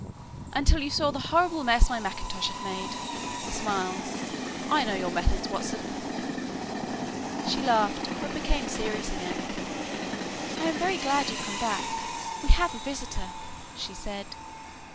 "Until you saw the horrible mess my mackintosh has made," he smiled. "I know your methods, Watson!" She laughed, but became serious again. "I am very glad you've come back. We have a visitor," she said.